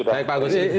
baik pak agus